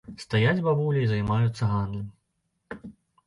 Стаяць бабулі і займаюцца гандлем.